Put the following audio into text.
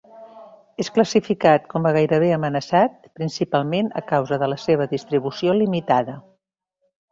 És classificat com a gairebé amenaçat, principalment a causa de la seva distribució limitada.